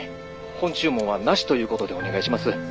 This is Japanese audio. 本注文はなしということでお願いします。